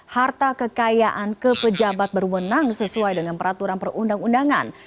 harta kekayaan ke pejabat berwenang sesuai dengan peraturan perundang undangan